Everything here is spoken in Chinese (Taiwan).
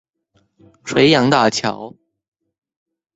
垂楊大橋